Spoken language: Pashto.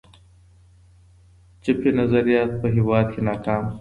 چپي نظریات په هېواد کي ناکام سول.